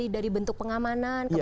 dari bentuk pengamanan